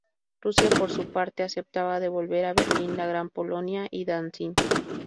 Rusia, por su parte, aceptaba devolver a Berlín la Gran Polonia y Danzig.